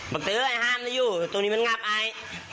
บังเตอร์ไอฮามมันอยู่ตัวนี้มันงับอาย